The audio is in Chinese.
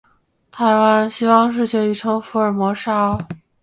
台湾，西方世界亦称福尔摩沙。